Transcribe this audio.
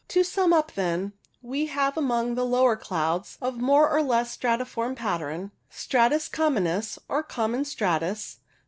To sum up, then, we have among the lower clouds of more or less stratiform pattern — Stratus communis, or Common stratus.